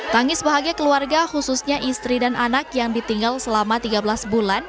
tangis bahagia keluarga khususnya istri dan anak yang ditinggal selama tiga belas bulan